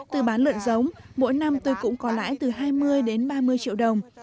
từ bán lợn giống mỗi năm tôi cũng có lãi từ hai mươi đến ba mươi triệu đồng